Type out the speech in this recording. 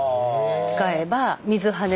使えば水はね